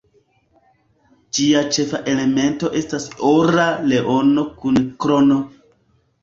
Ĝia ĉefa elemento estas ora leono kun krono.